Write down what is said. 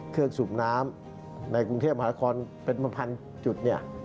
เครื่องสูบน้ำในกรุงเทพภาระครเป็นประพันธุ์จุด